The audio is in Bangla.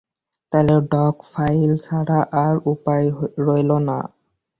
তাহলে ডগ ফাইল ছাড়া আর উপায় রইলো না।